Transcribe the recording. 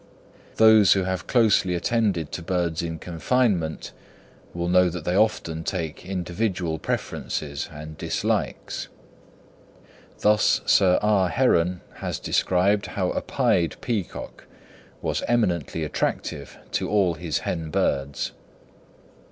Those who have closely attended to birds in confinement well know that they often take individual preferences and dislikes: thus Sir R. Heron has described how a pied peacock was eminently attractive to all his hen birds.